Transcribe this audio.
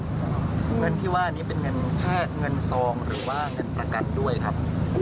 เงินที่ว่านี้เป็นเงินแค่เงินซองหรือว่าเงินประกันด้วยครับ